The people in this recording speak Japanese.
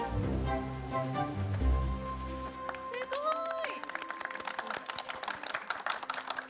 すごい！